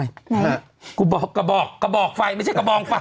นะฮะกูบอกกระบอกกระบอกไฟไม่ใช่กระบองไฟ